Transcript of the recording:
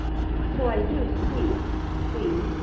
So I do speak see?